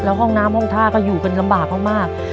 แล้วห้องน้ำห้องท่าก็อยู่กันลำบากมาก